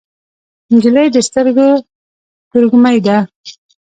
نجلۍ د سترګو تروږمۍ ده.